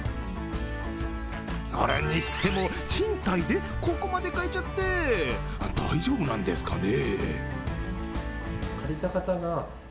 それにしても、賃貸でここまで変えちゃって大丈夫なんですかね？